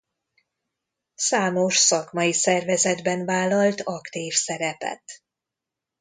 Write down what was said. Számos szakmai szervezetben vállalt aktív szerepet.